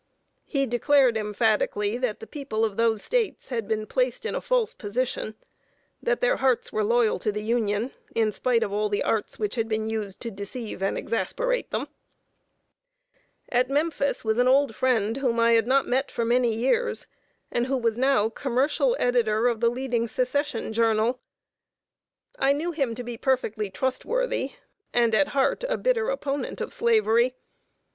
He declared emphatically that the people of those States had been placed in a false position; that their hearts were loyal to the Union, in spite of all the arts which had been used to deceive and exasperate them. At Memphis was an old friend, whom I had not met for many years, and who was now commercial editor of the leading Secession journal. I knew him to be perfectly trustworthy, and, at heart, a bitter opponent of Slavery.